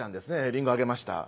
リンゴあげました。